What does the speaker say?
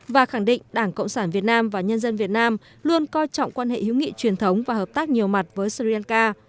và khẳng định đảng cộng sản việt nam và nhân dân việt nam luôn coi trọng quan hệ hữu nghị truyền thống và hợp tác nhiều mặt với sri lanka